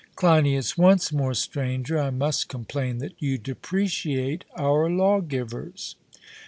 CLEINIAS: Once more, Stranger, I must complain that you depreciate our lawgivers.